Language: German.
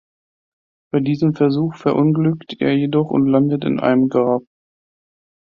Bei diesem Versuch verunglückt er jedoch und landet in einem Grab.